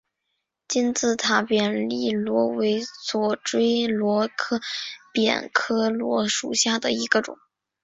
金字塔扁粒螺为左锥螺科扁粒螺属下的一个种。